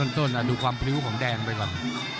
ต้นดูความพริ้วของแดงไปก่อน